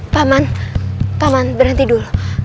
pak man pak man berhenti dulu